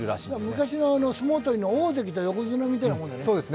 昔の相撲取りの大関と横綱みたいなもんだね。